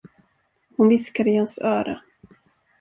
Hon viskade i hans öra.